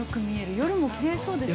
夜もきれいそうですね。